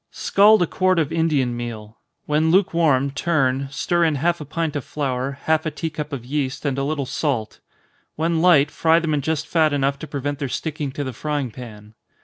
_ Scald a quart of Indian meal when lukewarm, turn, stir in half a pint of flour, half a tea cup of yeast, and a little salt. When light, fry them in just fat enough to prevent their sticking to the frying pan.